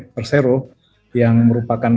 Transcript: persero yang merupakan